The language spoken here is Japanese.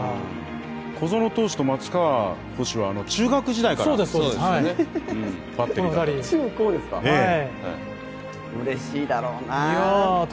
小園投手と松川捕手は中学時代からバッテリーだと。